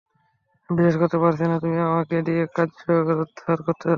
আমি বিশ্বাস করতে পারছি না, তুমি আমাকে দিয়ে কার্যোদ্ধার করতে চাচ্ছ।